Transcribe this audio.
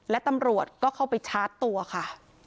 และตำรวจก็เข้าไปชาร์จตัวค่ะ